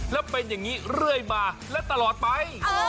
แล้วเป็นอย่างนี้เรื่อยมาและตลอดไป